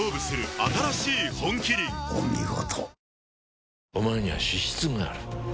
お見事。